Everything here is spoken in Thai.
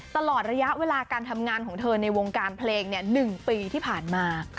ตลอดระยะเวลาการทำงานของเธอในวงการเพลง๑ปีที่ผ่านมา